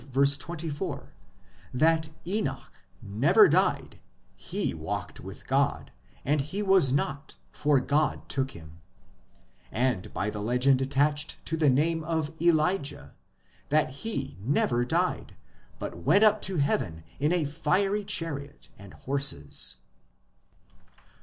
24 that Enoch never died " ho walked with God ; and he was not, for God took him "; and by the legend attached to the name of Elijah, that he never died, but went up to heaven in a fiery chariot and horses.